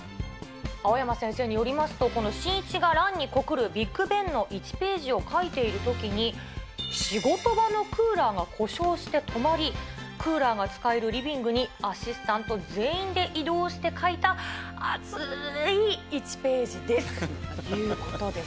青山先生によりますと、この新一が蘭に告るビッグベンの１ページを描いているときに、仕事場のクーラーが故障して止まり、クーラーが使えるリビングにアシスタント全員で移動して描いたあつーい１ページですということです。